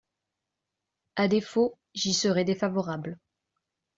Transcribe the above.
À défaut, j’y serai défavorable.